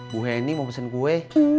bu heni mau pesen kue